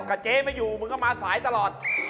กับเจ๊ไม่อยู่มึงก็มาสายตลอด